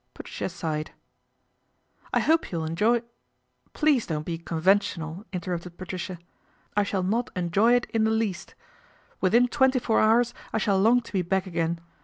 Patricia sighed. " I hope you'll enjoy "" Please don't be conventional," interrupted Patricia. " I shall not enjoy it in the least. Within twenty four hours I shall long to be back again.